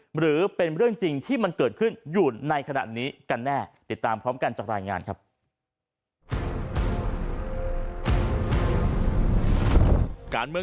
หรือเป็นเรื่องจริงที่มันเกิดขึ้นอยู่ในขณะนี้กันแน่